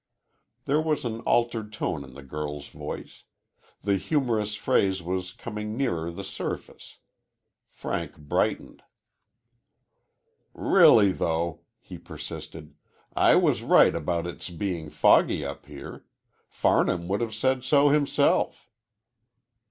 There was an altered tone in the girl's voice. The humorous phase was coming nearer the surface. Frank brightened. "Really, though," he persisted, "I was right about it's being foggy up there. Farnham would have said so, himself."